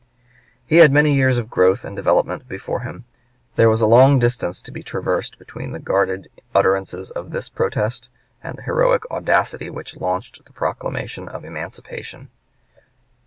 He had many years of growth and development before him. There was a long distance to be traversed between the guarded utterances of this protest and the heroic audacity which launched the proclamation of emancipation.